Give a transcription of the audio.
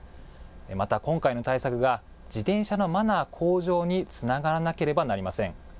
また今回の対策が、自転車のマナー向上につながらなければなりません。